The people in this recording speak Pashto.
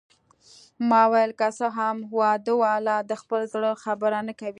ما وویل: که څه هم واده والا د خپل زړه خبره نه کوي.